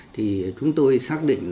thì chúng tôi xác định